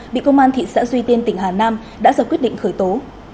bị công an thị xã duy tiên tỉnh hà nam đã ra quyết định khởi tố